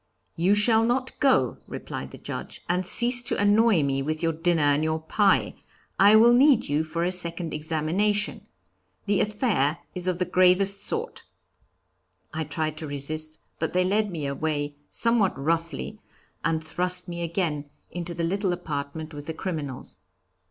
'You shall not go,' replied the Judge, 'and cease to annoy me with your dinner and your pie; I will need you for a second examination. The affair is of the gravest sort.' I tried to resist, but they led me away somewhat roughly, and thrust me again into the little apartment with the criminals.